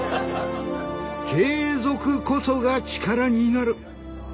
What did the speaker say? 継続こそが力になる。